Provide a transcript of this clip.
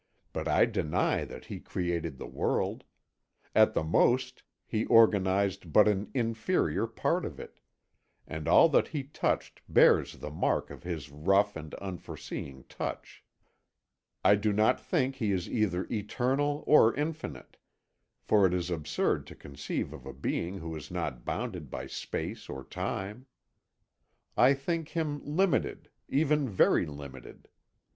But I deny that He created the world; at the most He organised but an inferior part of it, and all that He touched bears the mark of His rough and unforeseeing touch. I do not think He is either eternal or infinite, for it is absurd to conceive of a being who is not bounded by space or time. I think Him limited, even very limited.